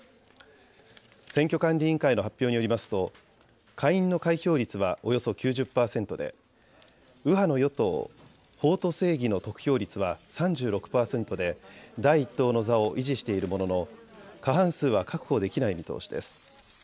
選挙管理委員会の発表によりますと下院の開票率はおよそ９０％で右派の与党、法と正義の得票率は３６％で第１党の座を維持しているものの過半数は確保できない見通しです。